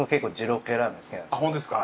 ホントですか？